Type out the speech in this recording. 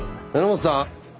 榎本さん！